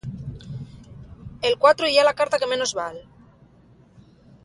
El cuatro yía la carta que menos val.